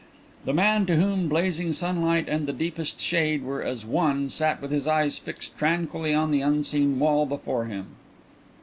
The man to whom blazing sunlight and the deepest shade were as one sat with his eyes fixed tranquilly on the unseen wall before him.